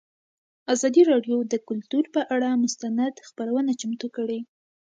ازادي راډیو د کلتور پر اړه مستند خپرونه چمتو کړې.